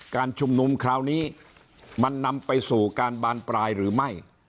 การชุมนุมคราวนี้มันนำไปสู่การบานปลายหรือไม่